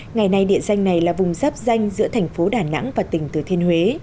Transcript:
ngày nay địa danh này là vùng giáp danh giữa thành phố đà nẵng và tỉnh thừa thiên huế